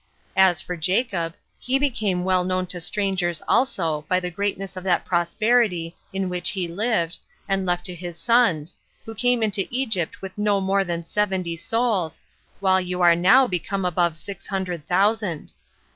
As for Jacob, he became well known to strangers also, by the greatness of that prosperity in which he lived, and left to his sons, who came into Egypt with no more than seventy souls, while you are now become above six hundred thousand.